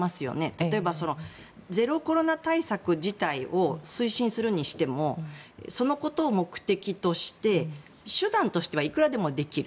例えば、ゼロコロナ対策自体を推進するにしてもそのことを目的として手段としてはいくらでもできる。